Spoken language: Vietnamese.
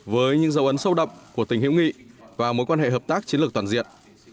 với những dấu ấn sâu đậm của tình hữu nghị và mối quan hệ hợp tác chiến lược toàn diện